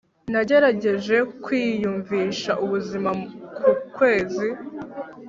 Nagerageje kwiyumvisha ubuzima ku kwezi